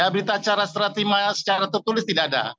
berita secara teratimal secara tertulis tidak ada